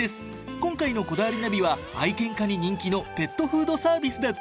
今回の『こだわりナビ』は愛犬家に人気のペットフードサービスだって。